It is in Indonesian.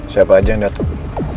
siapa aja yang dateng